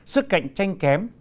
sức cạnh tranh kém